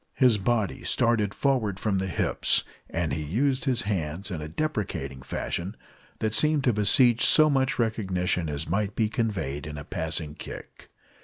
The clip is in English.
His body started forward from the hips, and he used his hands in a deprecating fashion that seemed to beseech so much recognition as might be conveyed in a passing kick.